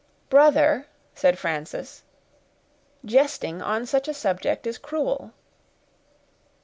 "Brother!" said Frances, "jesting on such a subject is cruel."